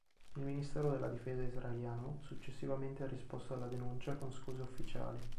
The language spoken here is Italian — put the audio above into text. Il ministero della Difesa israeliano successivamente ha risposto alla denuncia con scuse ufficiali.